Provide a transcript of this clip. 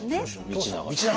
道長！